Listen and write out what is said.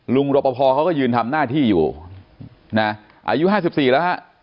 รปภเขาก็ยืนทำหน้าที่อยู่นะอายุ๕๔แล้วฮะ